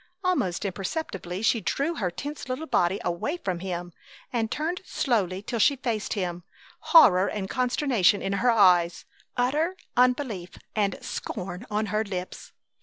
Almost imperceptibly she drew her tense little body away from him, and turned slowly till she faced him, horror and consternation in her eyes, utter unbelief and scorn on her lips.